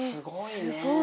すごい。